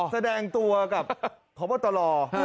แสดงตัวกับขอบัตรรอ